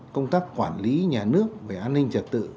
công tác quản lý nhà nước về an ninh trật tự